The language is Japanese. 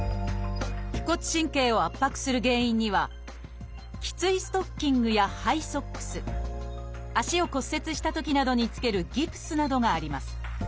腓骨神経を圧迫する原因には「きついストッキング」や「ハイソックス」足を骨折したときなどにつける「ギプス」などがあります。